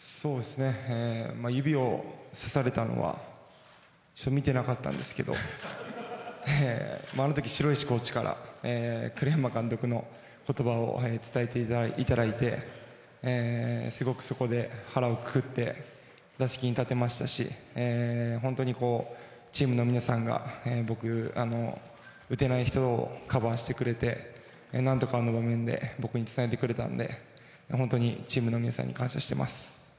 指をさされたのは見ていなかったんですけどあの時、城石コーチから栗山監督の言葉を伝えていただいてすごくそこで腹をくくって打席に立てましたし本当にチームの皆さんが打てない人をカバーしてくれて何とかあの場面で僕につないでくれたので本当にチームの皆さんに感謝しています。